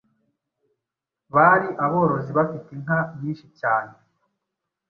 Bari aborozi bafite inka nyinshi cyane